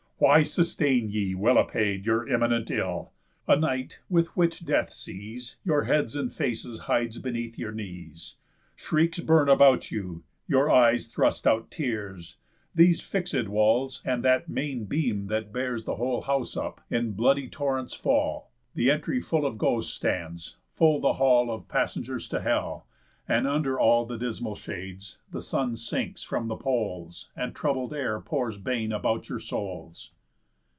Why sustain ye, well apaid, Your imminent ill? A night, with which death sees, Your heads and faces hides beneath your knees; Shrieks burn about you; your eyes thrust out tears; These fixéd walls, and that main beam that bears The whole house up, in bloody torrents fall; The entry full of ghosts stands; full the hall Of passengers to hell; and under all The dismal shades; the sun sinks from the poles; And troubled air pours bane about your souls."